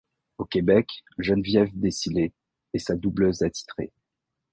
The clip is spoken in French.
Au Québec, Geneviève Désilets est sa doubleuse attitrée.